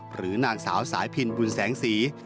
หรือนางสาวสายพินบุญแสงสี